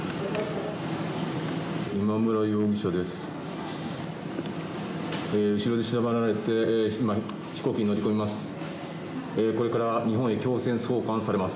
今村容疑者です。